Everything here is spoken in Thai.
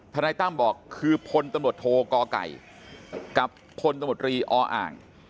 นายตั้มบอกคือพลตำรวจโทกไก่กับพลตำรวจรีออ่าง